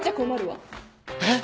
えっ？